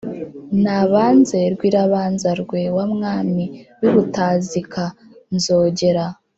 Nabanze Rwirabanzarwe Wa mwami w’i Butazika, Nzogera